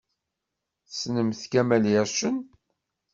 Tessnemt Kamel Ircen?